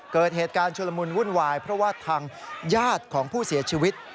เกิดเหตุการณ์ชุลมุนวุ่นวายเพราะว่าทางญาติของผู้เสียชีวิต